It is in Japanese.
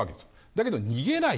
だけど、逃げない。